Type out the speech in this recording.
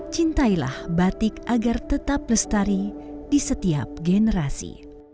cintailah batik agar tetap lestari di setiap generasi